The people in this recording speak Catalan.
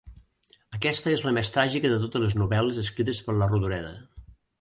Aquesta és la més tràgica de totes les novel·les escrites per Rodoreda.